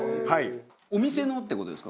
お店のって事ですか？